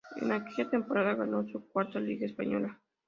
En aquella temporada ganó su cuarta Liga española.